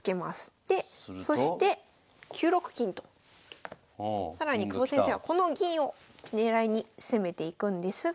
でそして９六金と更に久保先生はこの銀を狙いに攻めていくんですが。